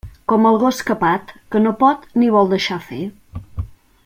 Com el gos capat, que no pot ni vol deixar fer.